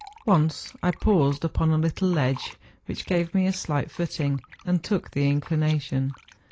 Once I paused upon a little ledge, which gave me a slight footing, and took the inclination.